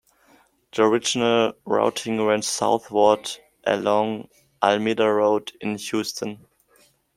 The original routing ran southward along Almeda Road in Houston.